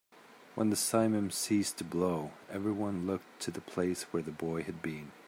When the simum ceased to blow, everyone looked to the place where the boy had been.